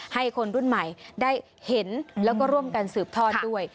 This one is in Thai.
ให้คนรุ่นใหม่ได้เห็นแล้วก็ร่วมกันสืบทอดด้วย